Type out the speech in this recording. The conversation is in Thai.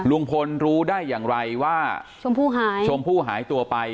ลุงพลรู้ได้อย่างไรว่าชมพู่หายตัวไป